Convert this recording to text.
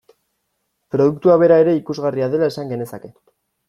Produktua bera ere ikusgarria dela esan genezake.